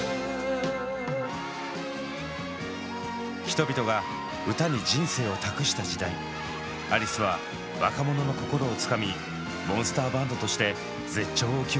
人々が歌に人生を託した時代アリスは若者の心をつかみモンスターバンドとして絶頂を極めます。